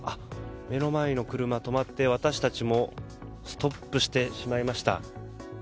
目の前の車が止まって私たちもストップしました。